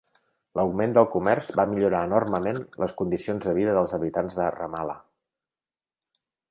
L'augment del comerç va millorar enormement les condicions de vida dels habitants de Ramallah.